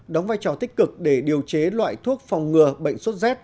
đóng vai trò tích cực để điều chế loại thuốc phòng ngừa bệnh sốt z